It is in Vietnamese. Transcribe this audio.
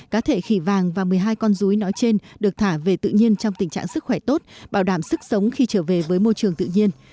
cá thể khỉ vàng và một mươi hai con rúi nói trên được thả về tự nhiên trong tình trạng sức khỏe tốt bảo đảm sức sống khi trở về với môi trường tự nhiên